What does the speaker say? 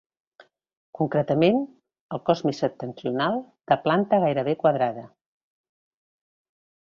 Concretament, el cos més septentrional, de planta gairebé quadrada.